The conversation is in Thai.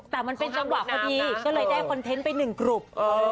แต่มันเป็นจังหวะพอดีก็เลยได้คอนเทนต์ไปหนึ่งกลุ่ม